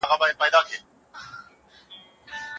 نقشه یې ترلاسه کوي.